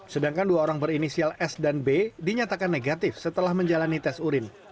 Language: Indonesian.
sedangkan dua orang berinisial s dan b dinyatakan negatif setelah menjalani tes urin